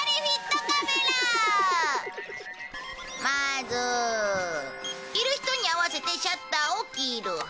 着る人に合わせてシャッターを切る。